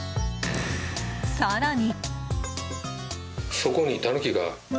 更に。